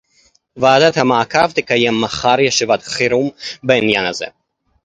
ועדת המעקב תקיים מחר ישיבת חירום בעניין הזה